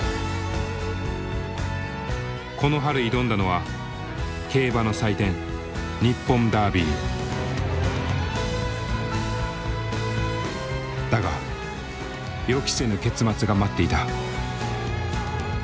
この春挑んだのはだが予期せぬ結末が待っていた。